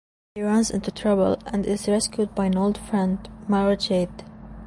He runs into trouble, and is rescued by an old friend, Mara Jade.